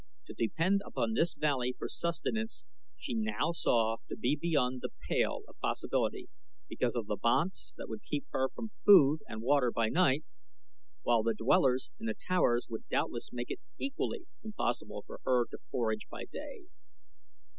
To depend upon this valley for sustenance she now saw to be beyond the pale of possibility because of the banths that would keep her from food and water by night, while the dwellers in the towers would doubtless make it equally impossible for her to forage by day.